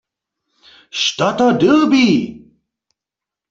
Što to dyrbi?